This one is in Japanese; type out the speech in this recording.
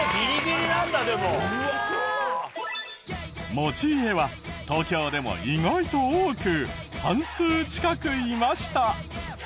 持ち家は東京でも意外と多く半数近くいました。